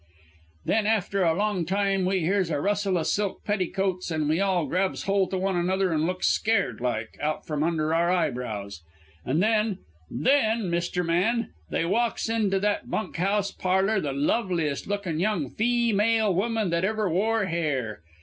"Then after a long time we hears a rustle o' silk petticoats, an' we all grabs holt o' one another an' looks scared like, out from under our eyebrows. An' then then, Mister Man, they walks into that bunk house parlour the loveliest lookin' young feemale woman that ever wore hair.